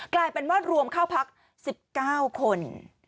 กลายเป็นว่ารวมเข้าพัก๑๙คน